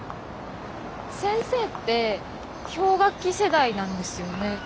先生って氷河期世代なんですよね？